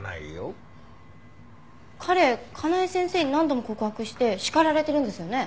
彼香奈枝先生に何度も告白して叱られてるんですよね？